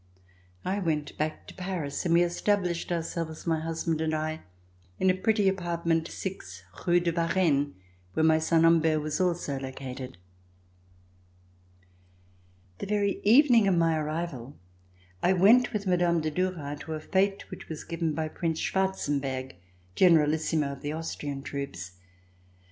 I went back to Paris and we established ourselves, my husband and I, in a pretty apartment, 6 Rue de Varenne, where my son Humbert was also located. The very evening of my arrival, I went with Mme. de Duras to a fete which was given by Prince Schwar zenberg, Generalissimo of the Austrian troops.